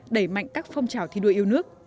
đẩy mạnh các phong trào thi đua yêu nước